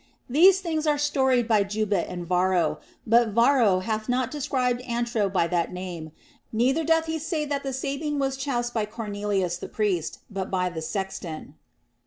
These things are storied by Juba and Varro, only Varro hath not described Antro by that name, neither doth he say that the Sabine was choused by Cornelius the priest, but by the sexton.